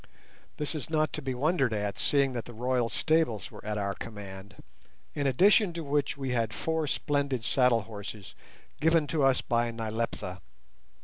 This is not to be wondered at, seeing that the royal stables were at our command, in addition to which we had four splendid saddle horses given to us by Nyleptha.